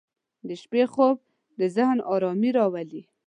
• د شپې خوب د ذهن آرامي راولي.